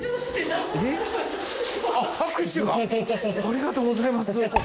ありがとうございます。